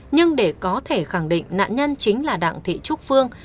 nhưng để có thể khẳng định nạn nhân chính là đặng thị trúc phương